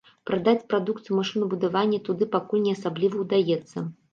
Прадаць прадукцыю машынабудавання туды пакуль не асабліва ўдаецца.